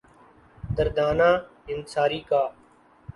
دردانہ انصاری کا